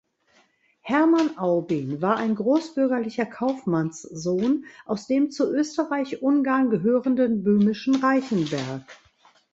Hermann Aubin war ein großbürgerlicher Kaufmannssohn aus dem zu Österreich-Ungarn gehörenden böhmischen Reichenberg.